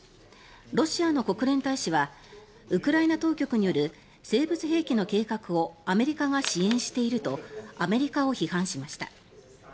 ロシアの国連大使はウクライナ当局による生物兵器の計画をアメリカが支援しているとアメリカを批判しました。